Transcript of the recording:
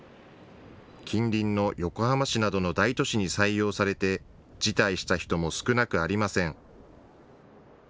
近隣の横浜市などの大都市に採用されて辞退した人も少なくありません。